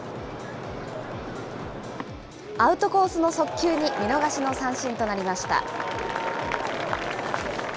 アウトコースの速球に見逃しの三振となりました。